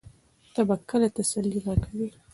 ته به کله تسلي راکوې؟